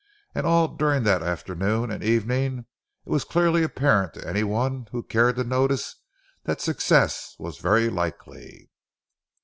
And all during the afternoon and evening, it was clearly apparent to any one who cared to notice that success was very likely.